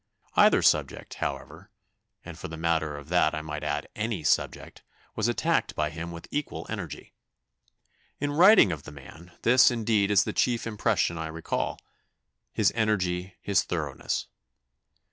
Either subject, however, and for the matter of that I might add any subject, was attacked by him with equal energy. In writing of the man, this, indeed, is the chief impression I recall his energy, his thoroughness.